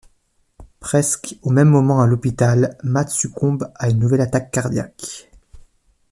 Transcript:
Presque au même moment, à l'hôpital, Matt succombe à une nouvelle attaque cardiaque.